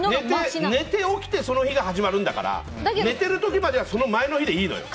寝て起きてその日が始まるんだから寝てる時までは前の日でいいのよ！